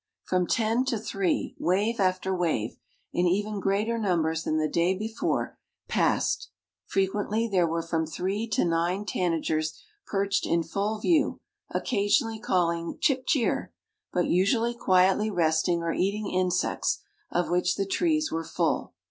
From ten to three wave after wave, in even greater numbers than the day before, passed. Frequently there were from three to nine tanagers perched in full view, occasionally calling chip cheer! but usually quietly resting or eating insects, of which the trees were full.